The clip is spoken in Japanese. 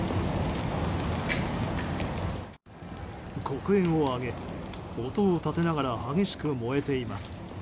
黒煙を上げ音を立てながら激しく燃えています。